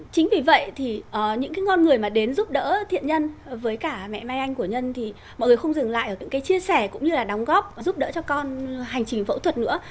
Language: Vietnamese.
chính vì vậy thì những cái con người mà đến giúp đỡ thiện nhân với cả mẹ mai anh của nhân thì mọi người không dừng lại ở những cái chia sẻ cũng như là đóng góp và giúp đỡ cho con hành trình phẫu thuật nữa